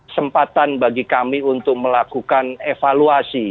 sempatan bagi kami untuk melakukan evaluasi